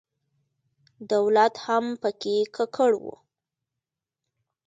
دولت هم په کې ککړ و.